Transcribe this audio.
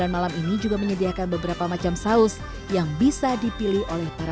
malam ini juga menyediakan beberapa macam saus yang bisa dipilih oleh para